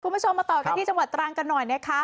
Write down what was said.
คุณผู้ชมมาต่อกันที่จังหวัดตรังกันหน่อยนะคะ